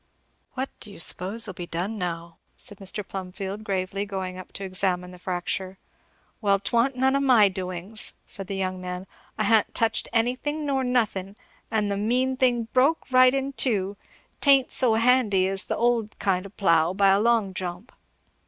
"What do you s'pose'll be done now?" said Mr. Plumfield gravely going up to examine the fracture. "Well 'twa'n't none of my doings," said the young man. "I ha'n't touched anything nor nothing and the mean thing broke right in teu. 'Tain't so handy as the old kind o' plough, by a long jump."